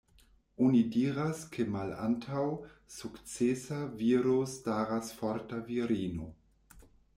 Oni diras, ke malantaŭ sukcesa viro staras forta virino.